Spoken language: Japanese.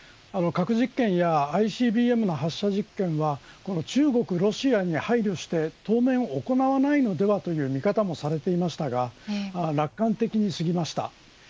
核実験やＩＣＢＭの発射実験は中国、ロシアに配慮して当面、行わないのではという見方もされていましたが楽観的すぎました。